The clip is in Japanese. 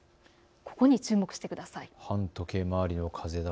ここに注目してください。